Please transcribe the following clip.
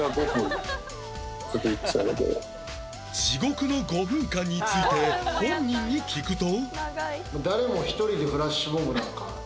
地獄の５分間について本人に聞くと